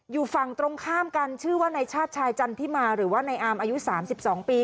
อยู่ฝั่งตรงข้ามกันชื่อว่าในชาติชายจันทิมาหรือว่าในอามอายุ๓๒ปี